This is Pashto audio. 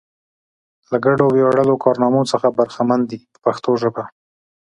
له ګډو ویاړلو کارنامو څخه برخمن دي په پښتو ژبه.